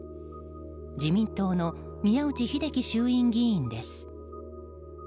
自民党の宮内秀樹衆議院議員です。